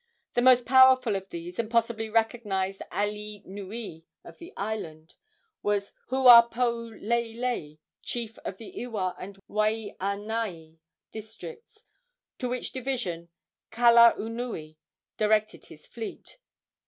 The most powerful of these, and possibly recognized alii nui of the island, was Huapouleilei, chief of the Ewa and Waianae districts, to which division Kalaunui directed his fleet.